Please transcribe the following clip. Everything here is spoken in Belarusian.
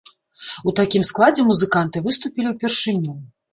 У такім складзе музыканты выступілі ўпершыню.